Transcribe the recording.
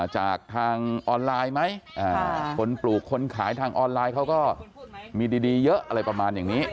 จากทางออนไลน์ไหมคนปลูกคนขายทางออนไลน์เขาก็มีดีเยอะอะไรประมาณอย่างนี้